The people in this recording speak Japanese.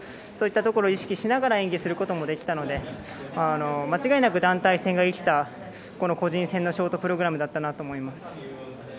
そういったところを意識しながら演技することもできたので、間違いなく団体戦が生きた、個人戦のショートプログラムだったと思います。